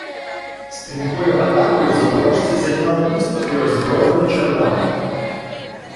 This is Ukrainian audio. Стрімкою атакою запорожці зайняли місто і роззброїли червоних.